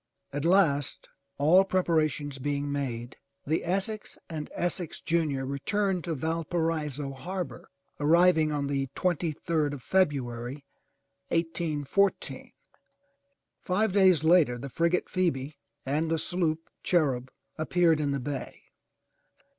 At last, all preparations being made, the Essex and Essex Junior returned to Valparaiso Harbor, arriving on the twenty third of February, 1814. Five days later the frigate Phoebe and the sloop Cherub appeared in the bay.